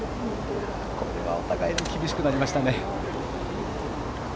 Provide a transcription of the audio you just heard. これはお互いに厳しくなりましたね。